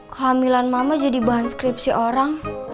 kehamilan mama jadi bahan skripsi orang